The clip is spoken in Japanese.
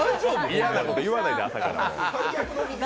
嫌なこと言わないで、朝から。